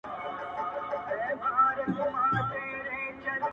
• شعر دي همداسي ښه دی شعر دي په ښكلا كي ساته،